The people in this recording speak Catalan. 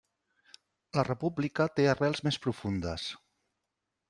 La república té arrels més profundes.